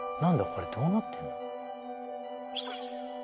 これどうなってんの？